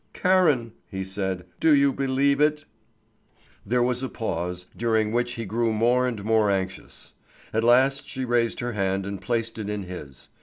"Karen!" he said, "do you believe it?" There was a pause, during which he grew more and more anxious. At last she raised her hand and placed it in his.